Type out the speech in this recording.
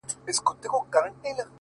• هغه به چيري وي ـ